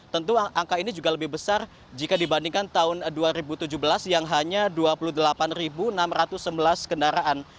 tentu angka ini juga lebih besar jika dibandingkan tahun dua ribu tujuh belas yang hanya dua puluh delapan